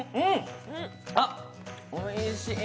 あっ、おいしい。